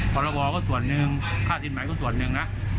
พรบก็ส่วนหนึ่งค่าสินใหม่ก็ส่วนหนึ่งนะ